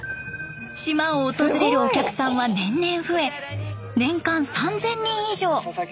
島を訪れるお客さんは年々増え年間３，０００人以上。